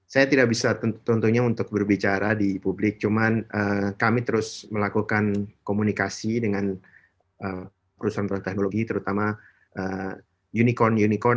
saya tidak bisa tentunya untuk berbicara di publik cuman kami terus melakukan komunikasi dengan perusahaan perusahaan teknologi terutama unicorn unicorn